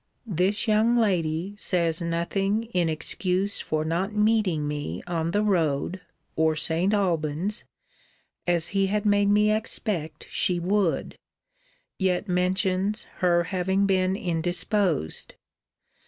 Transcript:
This young lady says nothing in excuse for not meeting me on the road, or St. Alban's, as he had made me expect she would: yet mentions her having been indisposed.